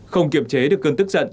không kiềm chế được cơn tức